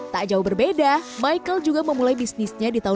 tak jauh berbeda michael juga memulai bisnisnya di tahun dua ribu